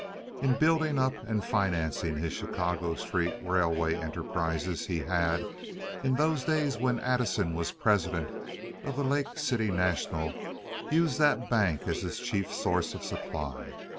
In building up and financing his Chicago street railway enterprises he had, in those days when Addison was president of the Lake City National, used that bank as his chief source of supply.